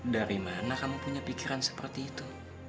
dari mana kamu punya pikiran seperti itu